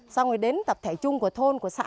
xong rồi đến tập thể chung của thôn của xã